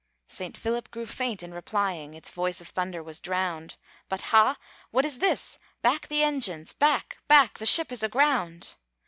Saint Philip grew faint in replying, Its voice of thunder was drowned; "But ha! what is this? Back the engines! Back, back, the ship is aground!"